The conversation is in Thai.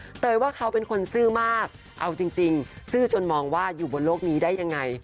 เตยว่าเขาเป็นคนซื่อมากเอาจริงซื่อจนมองว่าอยู่บนโลกนี้ได้ยังไง